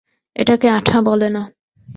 এটাকে আঠা বলে না।